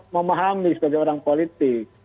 memahami sebagai orang politik